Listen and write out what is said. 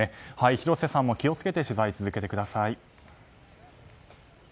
広瀬さんも気を付けて取材を続けてください。